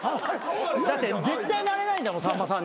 だって絶対なれないんだもんさんまさんに。